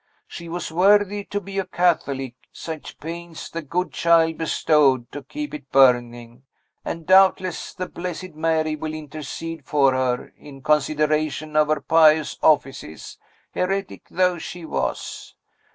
She was worthy to be a Catholic, such pains the good child bestowed to keep it burning; and doubtless the Blessed Mary will intercede for her, in consideration of her pious offices, heretic though she was.